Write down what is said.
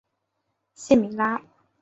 谢米拉。